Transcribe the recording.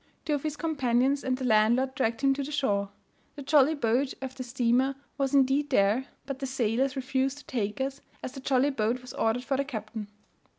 Two of his companions and the landlord dragged him to the shore. The jolly boat of the steamer was indeed there, but the sailors refused to take us, as the jolly boat was ordered for the captain.